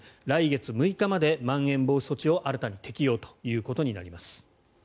来月６日までまん延防止措置を新たに適用ということになります。